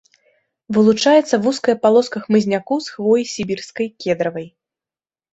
Вылучаецца вузкая палоска хмызняку з хвоі сібірскай кедравай.